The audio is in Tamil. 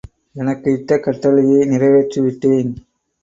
எனக்கு இட்ட கட்டளையை நிறைவேற்றிவிட்டேன்!